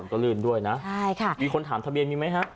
สลื่นด้วยนะมีคนถามทะเบียนมีไหมฮะ